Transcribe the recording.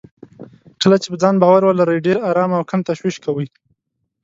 کله چې په ځان باور ولرئ، ډېر ارام او کم تشويش کوئ.